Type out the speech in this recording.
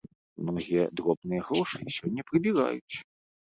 Многія дробныя грошы сёння прыбіраюць.